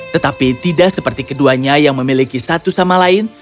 tetapi tidak seperti keduanya yang memiliki satu sama lain